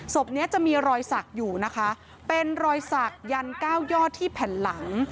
ศพเนี้ยจะมีรอยสักอยู่นะคะเป็นรอยสักยันเก้ายอดที่แผ่นหลัง